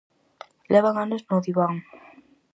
Levan anos no diván.